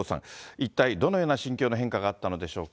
一体どのような心境の変化があったのでしょうか。